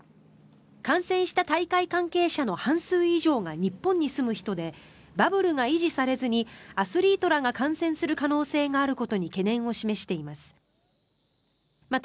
感染した大会関係者の半数以上が日本に住む人でバブルが維持されずにアスリートらが感染する可能性があることに懸念を示しています。